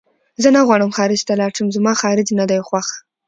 زه نه غواړم خارج ته لاړ شم زما خارج نه دی خوښ